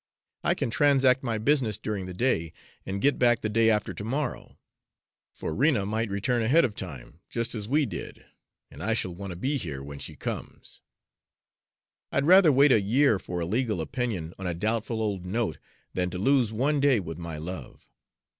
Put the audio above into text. I can transact my business during the day, and get back the day after to morrow; for Rena might return ahead of time, just as we did, and I shall want to be here when she comes; I'd rather wait a year for a legal opinion on a doubtful old note than to lose one day with my love.